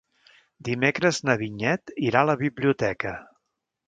Dimecres na Vinyet irà a la biblioteca.